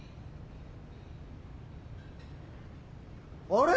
あれ？